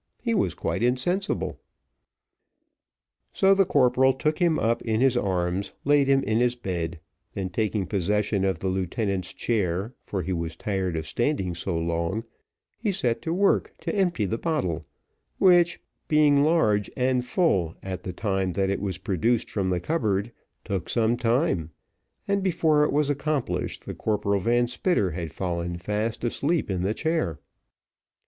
He was quite insensible. So the corporal took him up in his arms, laid him in his bed, then taking possession of the lieutenant's chair, for he was tired of standing so long, he set to work to empty the bottle, which, being large and full at the time that it was produced from the cupboard, took some time, and before it was accomplished, the Corporal Van Spitter had fallen fast asleep in the chair.